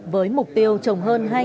với mục tiêu trồng hơn